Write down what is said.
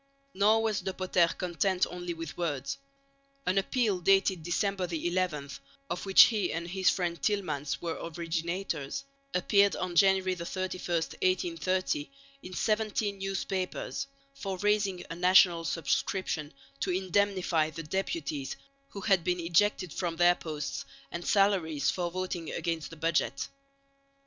Nor was De Potter content only with words. An appeal dated December 11, of which he and his friend Tielemans were originators, appeared (January 31,1830) in seventeen news papers, for raising a national subscription to indemnify the deputies who had been ejected from their posts and salaries for voting against the budget.